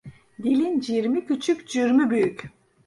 Dilin cirmi küçük, cürmü büyük.